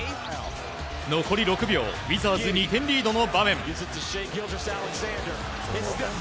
残り６秒ウィザーズ２点リードの場面。